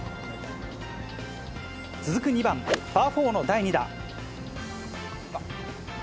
続く２番、パー４の第２打。